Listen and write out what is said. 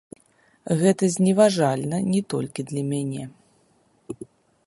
Гэта зневажальна не толькі для мяне.